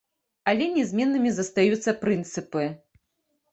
Але нязменнымі застаюцца прынцыпы.